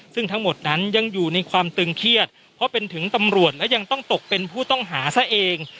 ซึ่งทั้งหมดนั้นยังอยู่ในความตึงเครียดเพราะเป็นถึงตำรวจและยังต้องตกเป็นผู้ต้องหาซะเอง